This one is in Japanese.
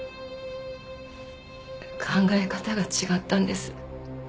考え方が違ったんです。